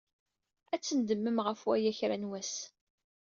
Ad tnedmem ɣef waya kra n wass.